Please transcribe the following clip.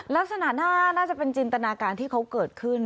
ลักษณะน่าจะเป็นจินตนาการที่เขาเกิดขึ้น